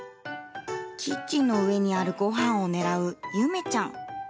キッチンの上にあるごはんを狙うゆめちゃん。